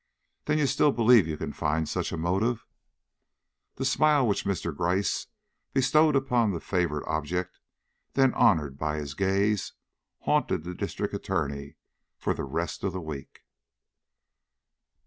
"Then you still believe you can find such a motive?" The smile which Mr. Gryce bestowed upon the favored object then honored by his gaze haunted the District Attorney for the rest of the week.